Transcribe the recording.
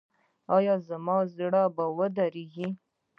ایا زما زړه به ودریږي؟